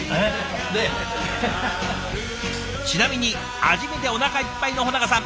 ちなみに味見でおなかいっぱいの保永さん。